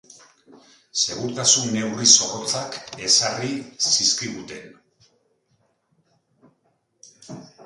Segurtasun neurri zorrotzak ezarri zizkiguten.